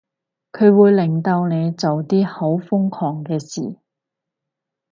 佢會令到你做啲好瘋狂嘅事